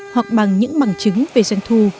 hoặc bằng những bằng chứng về doanh thu